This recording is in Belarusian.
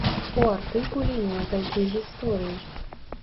У артыкуле некалькі гісторый.